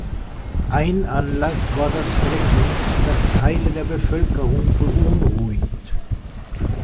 Ein Anlass war das Fracking, das Teile der Bevölkerung beunruhigt.